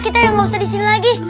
kita enggak usah di sini lagi